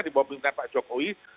di bawah pemerintahan pak jokowi